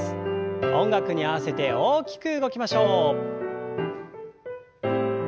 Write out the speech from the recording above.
音楽に合わせて大きく動きましょう。